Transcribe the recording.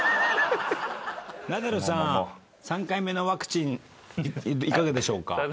３回目のワクチンいかがでしょうか？